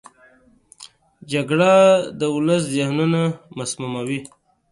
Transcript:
جګړه د ولس ذهنونه مسموموي